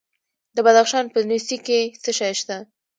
د بدخشان په نسي کې څه شی شته؟